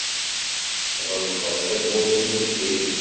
Tɣelqed tawwurt-nni deffir-k.